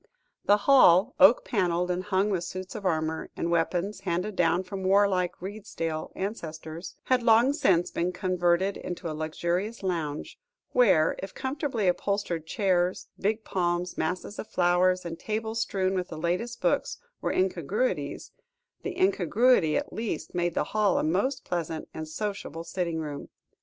The hall, oak panelled, and hung with suits of armour, and weapons handed down from war like Redesdale ancestors, had long since been converted into a luxurious lounge, where, if comfortably upholstered chairs, big palms, masses of flowers, and tables strewn with the latest books, were incongruities, the incongruity at least made the hall a most pleasant and sociable sitting room.